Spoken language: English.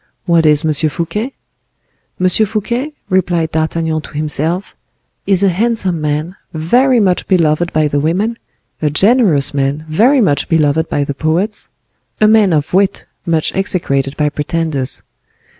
What is M. Fouquet? M. Fouquet," replied D'Artagnan to himself, "is a handsome man, very much beloved by the women, a generous man very much beloved by the poets; a man of wit, much execrated by pretenders.